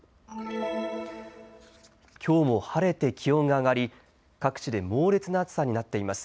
きょうも晴れて気温が上がり各地で猛烈な暑さになっています。